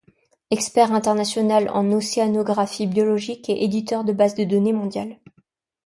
Expert international en océanographie biologique et éditeur de bases de données mondiales.